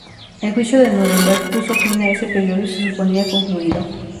El juicio de Núremberg puso fin a ese periodo y se suponía concluido.